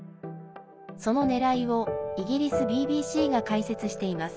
そのねらいをイギリスＢＢＣが解説しています。